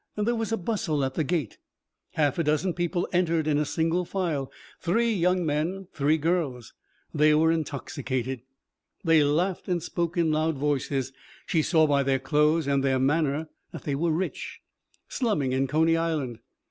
There was a bustle at the gate. Half a dozen people entered in single file. Three young men. Three girls. They were intoxicated. They laughed and spoke in loud voices. She saw by their clothes and their manner that they were rich. Slumming in Coney Island.